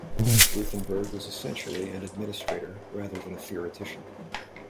Ruthenberg was essentially an administrator rather than a theoretician.